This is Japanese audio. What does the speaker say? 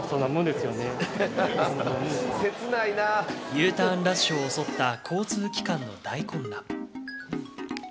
Ｕターンラッシュを襲った交通機関の大混乱。